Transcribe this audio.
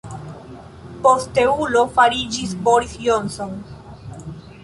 Posteulo fariĝis Boris Johnson.